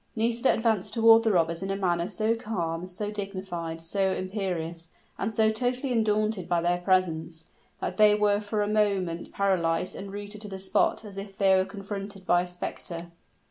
Nisida advanced toward the robbers in a manner so calm, so dignified, so imperious, and so totally undaunted by their presence, that they were for a moment paralyzed and rooted to the spot as if they were confronted by a specter.